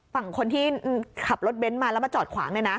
ฝั่งคนที่ขับรถเบ้นมาแล้วมาจอดขวางเนี่ยนะ